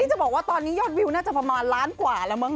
จะบอกว่าตอนนี้ยอดวิวน่าจะประมาณล้านกว่าแล้วมั้